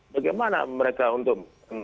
bagaimana mereka untuk